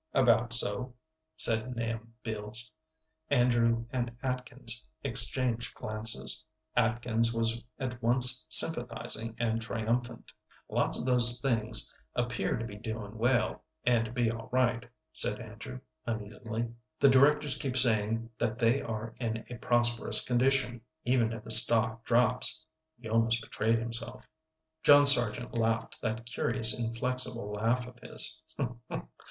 "About so," said Nahum Beals. Andrew and Atkins exchanged glances. Atkins was at once sympathizing and triumphant. "Lots of those things appear to be doing well, and to be all right," said Andrew, uneasily. "The directors keep saying that they are in a prosperous condition, even if the stock drops." He almost betrayed himself. John Sargent laughed that curious, inflexible laugh of his.